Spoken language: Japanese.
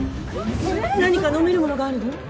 何か飲めるものがあるの？